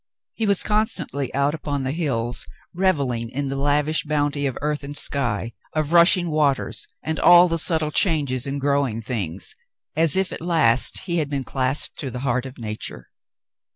He was constantly out upon the hills revelling in the lavish bounty of earth and sky, of rushing waters, and all the subtile changes in growing things, as if at last he had been clasped to the heart of nature.